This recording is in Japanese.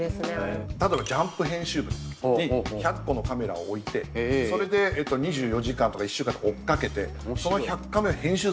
例えば「ジャンプ」編集部に１００個のカメラを置いてそれで２４時間とか１週間とか追っかけてその１００カメを編集するんですよ。